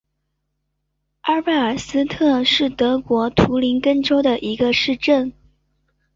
埃贝尔斯特是德国图林根州的一个市镇。